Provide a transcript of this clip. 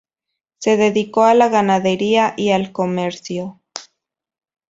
Se dedicó a la ganadería y al comercio.